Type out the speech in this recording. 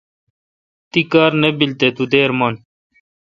تی کار نہ بیل تو دیرہ من